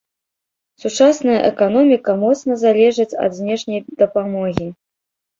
Сучасная эканоміка моцна залежыць ад знешняй дапамогі.